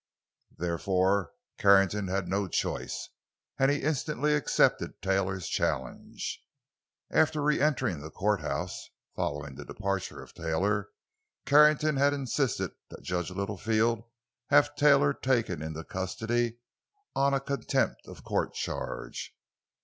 Therefore, Carrington had no choice, and he instantly accepted Taylor's challenge. After reentering the courthouse, following the departure of Taylor, Carrington had insisted that Judge Littlefield have Taylor taken into custody on a contempt of court charge.